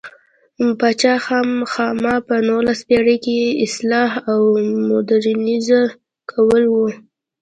پاچا خاما په نولسمه پېړۍ کې اصلاح او مودرنیزه کول و.